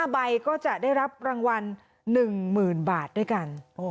๕ใบก็จะได้รับรางวัล๑๐๐๐บาทด้วยกัน